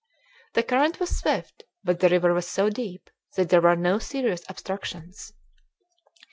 The current was swift, but the river was so deep that there were no serious obstructions.